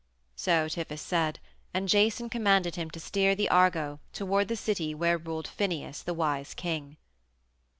So Tiphys said, and Jason commanded him to steer the Argo toward the city where ruled Phineus, the wise king.